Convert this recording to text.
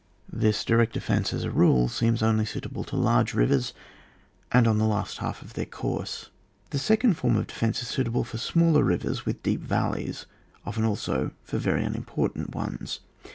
This direct defence, as a rule, seems only suitable to large rivers, and on the last half of their course. The second form of defence is suitable for smaller rivers with deep valleys, often also for very unimportant ones.